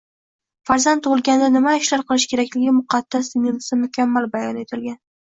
Farzand tug‘ilganda nima ishlar qilish kerakligi muqaddas Dinimizda mukammal bayon etilgan.